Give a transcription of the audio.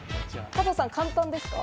加藤さん、簡単ですか？